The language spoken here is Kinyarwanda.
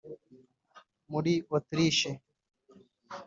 muri Autriche